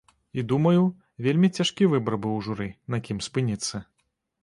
І думаю, вельмі цяжкі выбар быў у журы, на кім спыніцца.